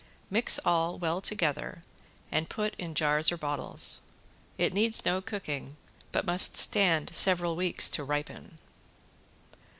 Mix all well together and put in jars or bottles. It needs no cooking, but must stand several weeks to ripen.